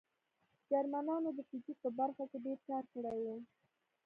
جرمنانو د فزیک په برخه کې ډېر کار کړی و